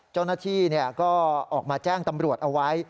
เจ้าหน้าที่ก็ออกมาแจ้งตำรวจเอาไว้